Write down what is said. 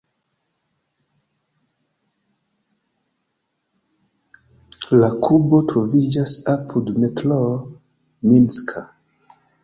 La klubo troviĝas apud metroo Minska.